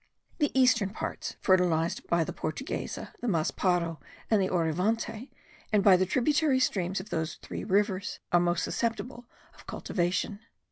The eastern parts, fertilized by the Portuguesa, the Masparro, and the Orivante, and by the tributary streams of those three rivers, are most susceptible of cultivation.